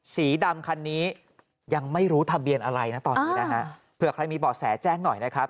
สีดำคันนี้ยังไม่รู้ทะเบียนอะไรนะตอนนี้นะฮะเผื่อใครมีเบาะแสแจ้งหน่อยนะครับ